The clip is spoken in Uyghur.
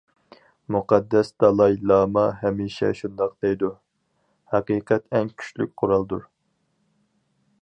مۇقەددەس دالاي لاما ھەمىشە شۇنداق دەيدۇ :ھەقىقەت ئەڭ كۈچلۈك قورالدۇر!